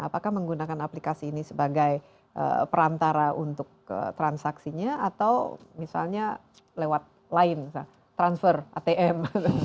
apakah menggunakan aplikasi ini sebagai perantara untuk transaksinya atau misalnya lewat lain transfer atm